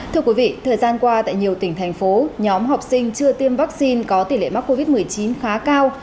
thưa quý vị thời gian qua tại nhiều tỉnh thành phố nhóm học sinh chưa tiêm vaccine có tỷ lệ mắc covid một mươi chín khá cao